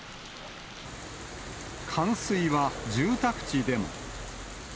冠水は住宅地でも。